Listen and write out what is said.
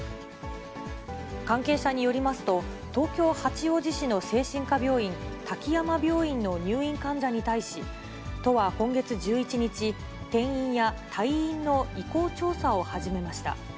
関係者によりますと、東京・八王子市の精神科病院、滝山病院の入院患者に対し、都は今月１１日、転院や退院の意向調査を始めました。